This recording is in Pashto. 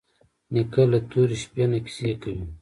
نیکه له تورې شپې نه کیسې کوي.